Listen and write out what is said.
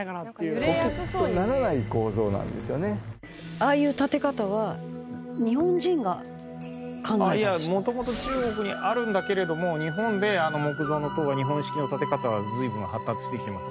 ああいういや元々中国にあるんだけれども日本であの木造の塔は日本式の建て方は随分発達してきてます。